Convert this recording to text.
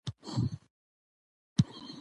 سمه ده زه نازنين درکوم.